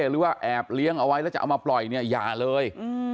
หรือว่าแอบเลี้ยงเอาไว้แล้วจะเอามาปล่อยเนี่ยอย่าเลย